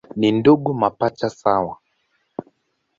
Ni ndugu mapacha sawa.